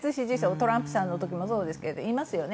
トランプさんの時もそうですけどいますよね。